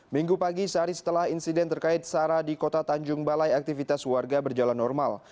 minggu pagi sehari setelah insiden terkait sarah di kota tanjung balai aktivitas warga berjalan normal